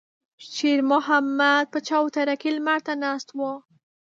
شېرمحمد په چوتره کې لمر ته ناست و.